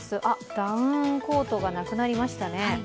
ダウンコートがなくなりましたね。